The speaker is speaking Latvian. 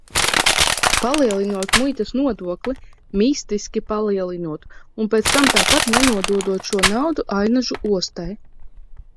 Palielinot muitas nodokli, mistiski palielinot, un pēc tam tāpat nenododot šo naudu Ainažu ostai.